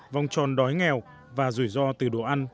vòng tròn đói nghèo và rủi ro từ đồ ăn